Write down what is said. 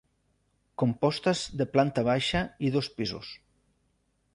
Compostes de planta baixa i dos pisos.